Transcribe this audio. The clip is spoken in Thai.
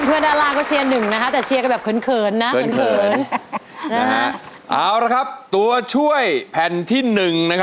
เพลงเก่งเพลงเก่งเพลงเก่งเพลงเก่งเพลงเก่ง